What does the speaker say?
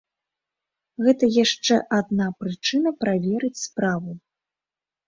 Гэта яшчэ адна прычына праверыць справу.